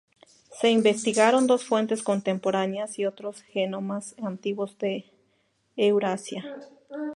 Se investigaron dos fuentes contemporáneas y otros genomas antiguos de Eurasia.